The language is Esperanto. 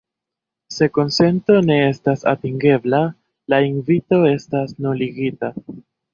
Se konsento ne estas atingebla, la invito estas nuligita.